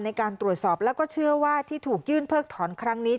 ในการตรวจสอบแล้วก็เชื่อว่าที่ถูกยื่นเพิกถอนครั้งนี้